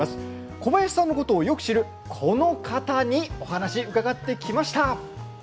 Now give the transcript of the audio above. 小林さんのことをよく知るこの方に伺ってきました。